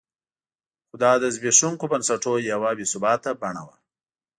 خو دا د زبېښونکو بنسټونو یوه بې ثباته بڼه وه.